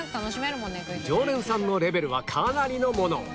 常連さんのレベルはかなりのもの